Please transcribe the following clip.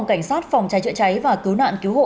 cảnh sát phòng trái trợ cháy và cứu nạn cứu hộ